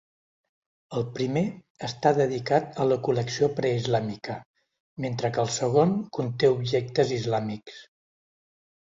El primer està dedicat a la col·lecció preislàmica, mentre que el segon conté objectes islàmics.